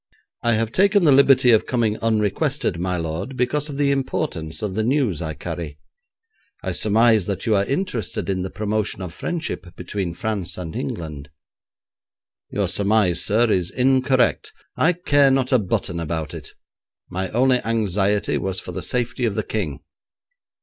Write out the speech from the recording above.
'I have taken the liberty of coming unrequested, my lord, because of the importance of the news I carry. I surmise that you are interested in the promotion of friendship between France and England.' 'Your surmise, sir, is incorrect. I care not a button about it. My only anxiety was for the safety of the King.'